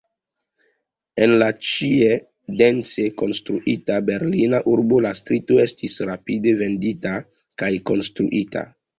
En la ĉie dense konstruita berlina urbo la strio estis rapide vendita kaj konstruita.